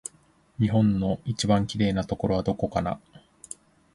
日本の一番きれいなところはどこかな